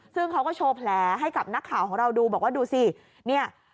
ซึ่งเขาก็โชว์แผลให้กับนักข่าวของเราดูบอกว่าดูสิเนี่ย